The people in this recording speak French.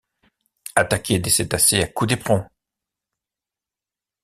Attaquer des cétacés à coups d’éperon !